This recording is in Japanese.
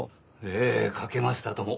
ええかけましたとも。